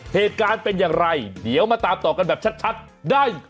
เหตุการณ์เป็นอย่างไรเดี๋ยวมาตามต่อกันแบบชัดได้